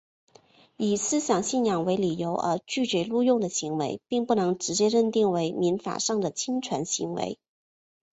以思想信仰为理由而拒绝录用的行为并不能直接认定为民法上的侵权行为。